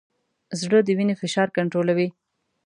زړه د وینې فشار کنټرولوي.